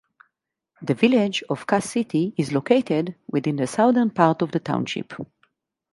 The village of Cass City is located within the southern part of the township.